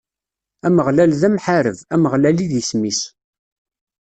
Ameɣlal d amḥareb, Ameɣlal i d isem-is.